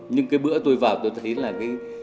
nhưng cái bữa tôi vào tôi thấy là cái